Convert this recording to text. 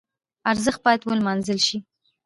ارزښت باید ولمانځل شي.